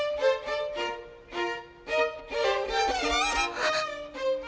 あっ。